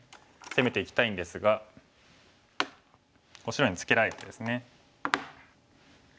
攻めていきたいんですが白にツケられてですね。